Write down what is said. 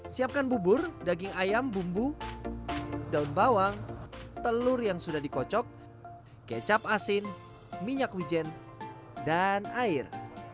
siapkan bubur daging ayam bumbu daun bawang telur yang sudah dikocok kecap asin minyak wijen dan air